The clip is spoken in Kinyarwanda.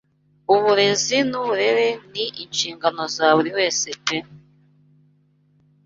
Uburezi n’uburere ni inshingano za buri wese pe